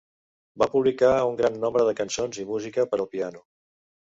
Va publicar un gran nombre de cançons i música per a piano.